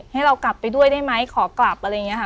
ให้เรากลับไปด้วยได้ไหมขอกลับอะไรอย่างนี้ค่ะ